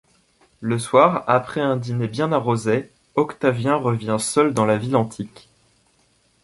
Le soir, après un dîner bien arrosé, Octavien revient seul dans la ville antique.